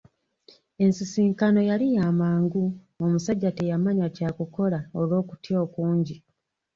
Ensisinkano yali yamangu, omusajja teyamanya kya kukola olw'okutya okungi.